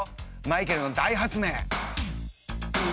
マイケルの大発明。